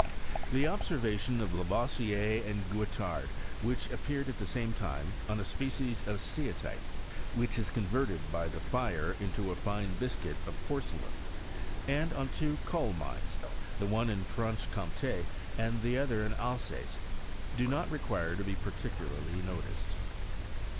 The observation of Lavoisier and Guettard, which appeared at the same time, on a species of steatite, which is converted by the fire into a fine biscuit of porcelain, and on two coal mines, the one in Francbe Comt^, the other in Alsace, do not require to be par ticularly noticed.